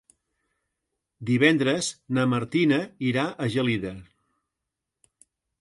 Divendres na Martina irà a Gelida.